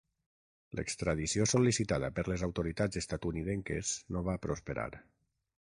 L'extradició sol·licitada per les autoritats estatunidenques no va prosperar.